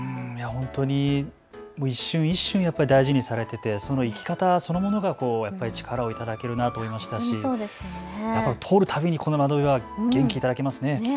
本当に一瞬一瞬、大事にされていてその生き方そのものが力をいただけるなと思いましたし通るたびにこの窓辺から元気をいただけますね。